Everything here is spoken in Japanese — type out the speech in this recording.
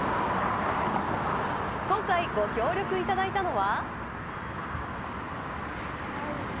今回、ご協力いただいたのは。